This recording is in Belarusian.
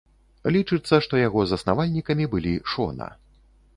Лічыцца, што яго заснавальнікамі былі шона.